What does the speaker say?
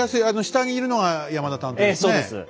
下にいるのが山田探偵ですね。